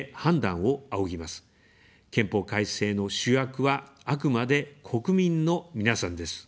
憲法改正の主役は、あくまで国民の皆さんです。